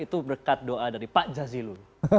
itu berkat doa dari pak jazilul